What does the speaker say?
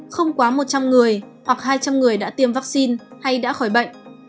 không quá một trăm linh người hoặc hai trăm linh người đã tiêm vaccine hay đã khỏi bệnh